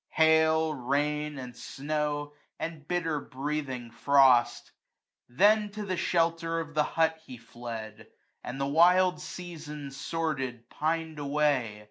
Hail, rain, and snow, and bitter breathing frost : Then to the shelter of the hut he fled ; And the wild season, sordid, pin'd away.